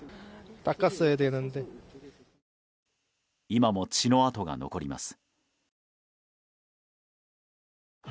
今も血の痕が残ります。